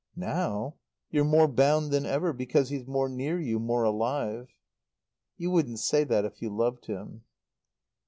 "Now? You're more bound than ever, because he's more near you, more alive." "You wouldn't say that if you loved him."